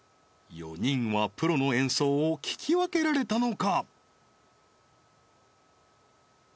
４人はプロの演奏を聞き分けられたのか？